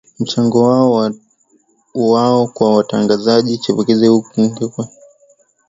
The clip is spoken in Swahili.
Mchango wao kwa watangazaji chipukizi haupimiki kwa wale ambao walipitia mikononi mwa hawa wakongwe